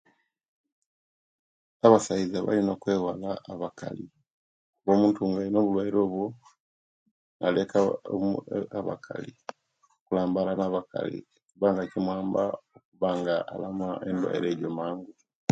Abasaiza balina okwewala abakali omuntu nga alina obulwaire obwo aleka enu ooo abakali okulambala nabakali kubanga kinwamba okubanga alama endwaire ejo mangu